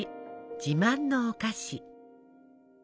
自慢のお菓子。